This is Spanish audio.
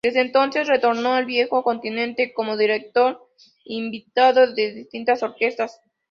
Desde entonces retornó al viejo continente como director invitado de distintas orquestas.